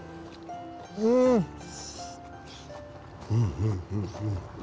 うんうんうんうん。